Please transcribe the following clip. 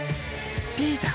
ピーター。